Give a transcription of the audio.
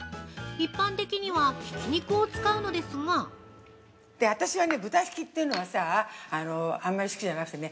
一般的にはひき肉を使うのですが◆私はね、豚ひきというのはさぁあんまり好きじゃなくてね。